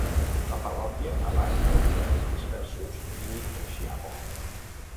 La parròquia abasta llogarets dispersos i Ashe Hall.